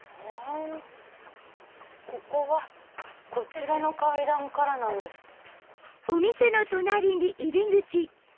ここはこちらの階段からなんですか。